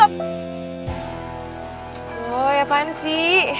apa yang terjadi